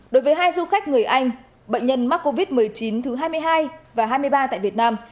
đối với hai du khách người anh bệnh nhân mắc covid một mươi chín thứ hai mươi hai và hai mươi ba tại việt nam